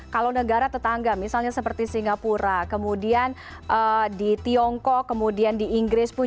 kalau negara tetangga misalnya seperti singapura kemudian di tiongkok kemudian di inggris pun